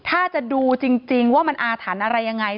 ถ้าจะดูจริงว่ามันอาถรรพ์อะไรยังไง